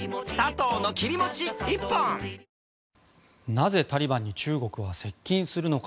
なぜタリバンに中国は接近するのか